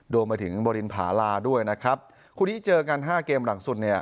รวมไปถึงบรินผาลาด้วยนะครับคู่นี้เจอกันห้าเกมหลังสุดเนี่ย